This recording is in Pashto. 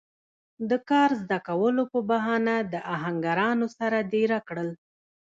د کار زده کولو پۀ بهانه د آهنګرانو سره دېره کړل